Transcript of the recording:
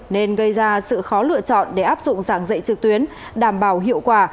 nên gây ra sự khó lựa chọn để áp dụng giảng dạy trực tuyến đảm bảo hiệu quả